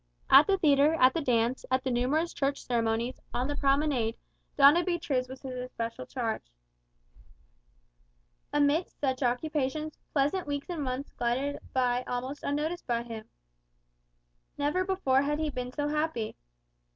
At the theatre, at the dance, at the numerous Church ceremonies, on the promenade, Doña Beatriz was his especial charge. Amidst such occupations, pleasant weeks and months glided by almost unnoticed by him. Never before had he been so happy.